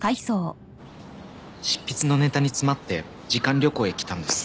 執筆のネタに詰まって時間旅行へ来たんです。